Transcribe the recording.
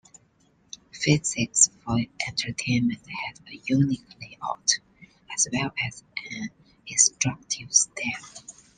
"Physics for Entertainment" had a unique layout as well as an instructive style.